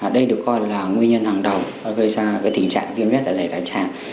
đây được coi là nguyên nhân hàng đầu gây ra tình trạng viêm lết dạ dày thái tràng